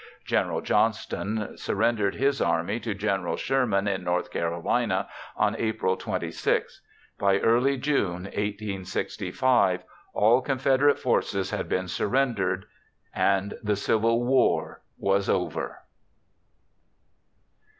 General Johnston surrendered his army to General Sherman in North Carolina on April 26. By early June 1865, all Confederate forces had been surrendered, and the Civil War was over.